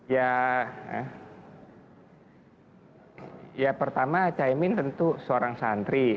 ya ya pertama pak muhyemine iskandar tentu seorang santri